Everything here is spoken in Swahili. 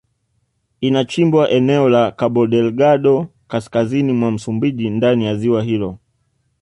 Inachimbwa eneo la Kabodelgado kaskazini mwa Msumbiji ndani ya ziwa hilo